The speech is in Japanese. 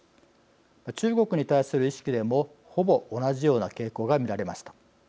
中国に対する意識でもほぼ同じような傾向が見られました。